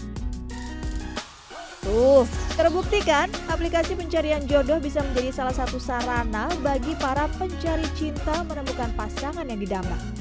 tuh terbuktikan aplikasi pencarian jodoh bisa menjadi salah satu sarana bagi para pencari cinta menemukan pasangan yang didambang